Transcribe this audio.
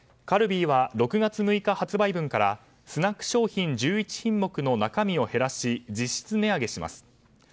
カルビーは６月６日発売分からスナック商品１１品目の中身を減らし実質値上げします。